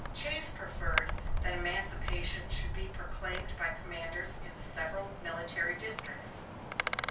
Chase preferred that emancipation should be proclaimed by commanders in the several military districts.